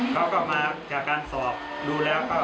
เขาก็มาจากการสอบดูแล้วก็